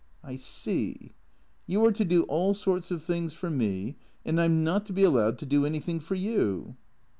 " I see. You are to do all sorts of things for me, and I 'm not to be allowed to do anything for you."